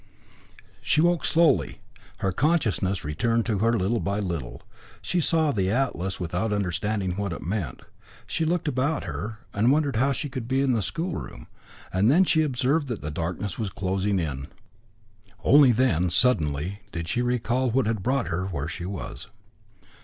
She woke slowly. Her consciousness returned to her little by little. She saw the atlas without understanding what it meant. She looked about her, and wondered how she could be in the schoolroom, and she then observed that darkness was closing in. Only then, suddenly, did she recall what had brought her where she was.